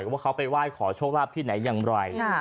ว่าเขาไปไหว้ขอโชคลาภที่ไหนอย่างไร